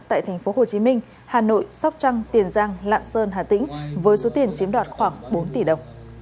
tại tp hcm hà nội sóc trăng tiền giang lạng sơn hà tĩnh với số tiền chiếm đoạt khoảng bốn tỷ đồng